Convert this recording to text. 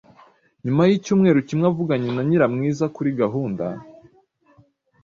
Nyuma y’icyumweru kimwe avuganye na Nyiramwiza kuri gahunda,